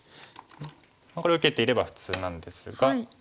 これ受けていれば普通なんですが。